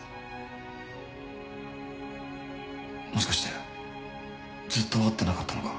もしかしてずっと会ってなかったのか？